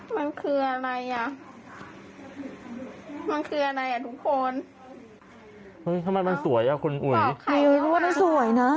มันคืออะไรอ่ะมันคืออะไรอ่ะทุกคนเฮ้ยทำไมมันสวยอ่ะ